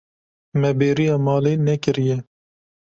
Me bêriya malê nekiriye.